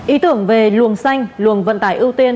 ý tưởng về luồng xanh luồng vận tải ưu tiên